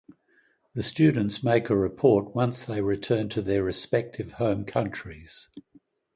The students make a report once they return to their respective home countries.